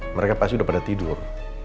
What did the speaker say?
mereka pasti sudah pada tidur